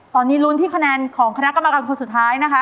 ตอนนี้ลูนให้คะแนนของคณะกรรมการสุดท้าย